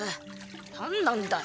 何なんだよ